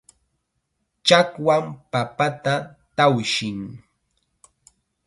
Chakwam papata tawshin.